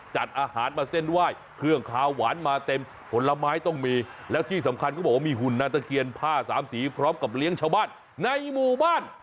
จัดอาหารมาเส้นไหว้เครื่องคาวหวานมาเต็มผลไม้ต้องมีแล้วที่สำคัญเขาบอกว่ามีหุ่นนาตะเคียนผ้าสามสีพร้อมกับเลี้ยงชาวบ้านในหมู่บ้าน